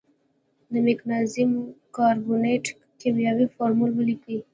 د مګنیزیم کاربونیټ کیمیاوي فورمول ولیکئ.